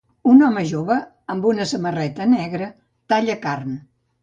Un home jove amb una samarreta negra talla carn.